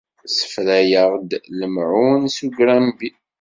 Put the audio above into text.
Ssefrayeɣ-d lemɛun s ugrambi.